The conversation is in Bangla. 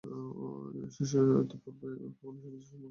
শিষ্য ইতঃপূর্বে কখনও স্বামীজীর সমক্ষে বক্তৃতা করে নাই।